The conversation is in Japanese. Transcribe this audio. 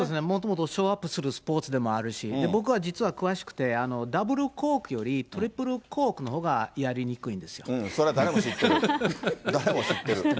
もともとショーアップするスポーツでもあるし、僕は実は詳しくて、ダブルコークよりトリプルコークのほうがやりにくいんですそれは誰も知ってる。